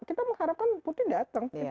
kita mengharapkan putin datang